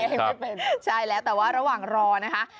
ยังไม่เป็นใช่แล้วแต่ว่าระหว่างรอนะคะ